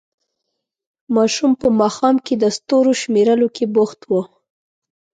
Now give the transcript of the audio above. ماشوم په ماښام کې د ستورو شمېرلو کې بوخت وو.